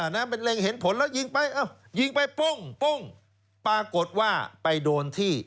นะมันเล็งเห็นผลแล้วยิงไปเอ้ายิงไปโป้งปรากฏว่าไปโดนที่